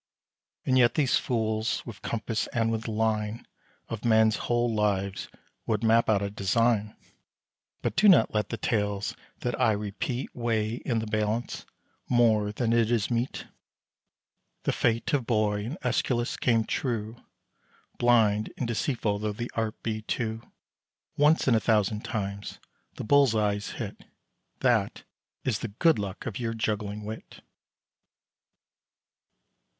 And yet these fools, with compass and with line, Of men's whole lives would map out a design! But do not let the tales that I repeat Weigh in the balance more than it is meet. The fate of boy and Æschylus came true, Blind and deceitful though the art be, too. Once in a thousand times the bull's eye's hit; That is the good luck of your juggling wit.